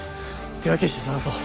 手分けして捜そう。